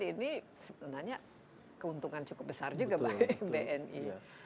ini sebenarnya keuntungan cukup besar juga bagi bni